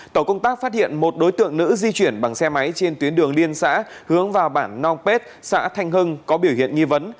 tổ công tác phát hiện một đối tượng nữ di chuyển bằng xe máy trên tuyến đường liên xã hướng vào bản nong pet xã thanh hưng có biểu hiện nghi vấn